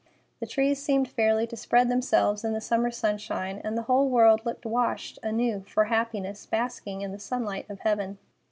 The trees seemed fairly to spread themselves in the summer sunshine, and the whole world looked washed anew for happiness, basking in the sunlight of heaven.